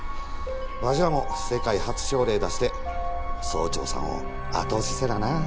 わしらも世界初症例出して総長さんを後押しせなな。